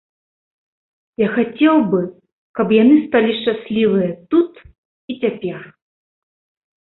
Я хацеў бы, каб яны сталі шчаслівыя тут і цяпер.